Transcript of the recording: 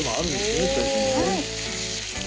はい。